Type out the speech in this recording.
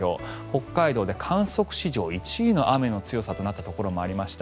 北海道で観測史上１位の雨の強さとなったところもありました。